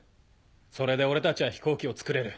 それで俺たちは飛行機をつくれる。